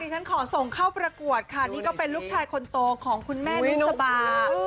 ฉันขอส่งเข้าประกวดค่ะนี่ก็เป็นลูกชายคนโตของคุณแม่นุษบา